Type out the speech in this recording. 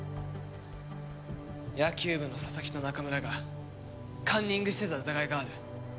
野球部の佐々木と中村がカンニングしてた疑いがある。